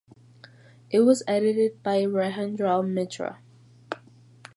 It was edited by Rajendralal Mitra.